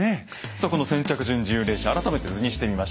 さあこの先着順自由連射改めて図にしてみました。